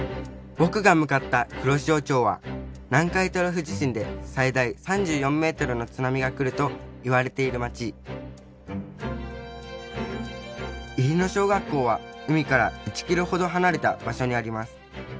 僕が向かった黒潮町は南海トラフ地震で最大３４メートルの津波が来るといわれている町入野小学校は海から１ｋｍほど離れた場所にあります